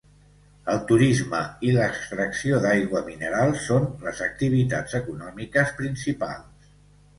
El turisme i l'extracció d'aigua mineral són les activitats econòmiques principals.